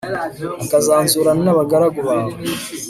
akisanzurana n'abagaragu bawe